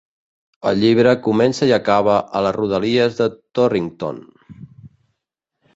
El llibre comença i acaba a les rodalies de Torrington.